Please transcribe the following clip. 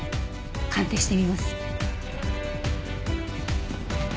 鑑定してみます。